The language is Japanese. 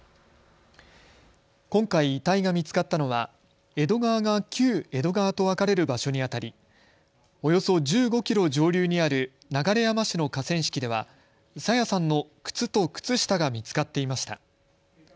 今回、遺体が見つかったのは江戸川が旧江戸川と分かれる場所にあたりおよそ１５キロ上流にある流山市の河川敷では朝芽さんの靴と靴下が見つかっていました。